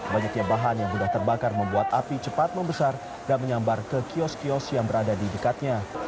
banyaknya bahan yang mudah terbakar membuat api cepat membesar dan menyambar ke kios kios yang berada di dekatnya